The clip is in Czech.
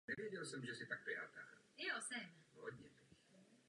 Náves se dvěma rybníky je protáhlá.